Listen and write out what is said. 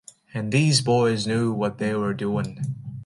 And these boys knew what they were doing.